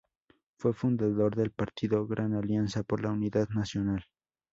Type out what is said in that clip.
Fue fundador del partido Gran Alianza por la Unidad Nacional.